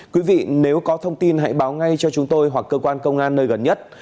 quý vị nếu có thông tin hãy báo ngay cho chúng tôi hoặc cơ quan công an nơi gần nhất